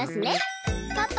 パパ！